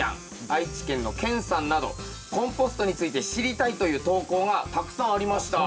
愛知県のけんさんなどコンポストについて知りたいという投稿がたくさんありました。